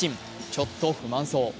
ちょっと不満そう。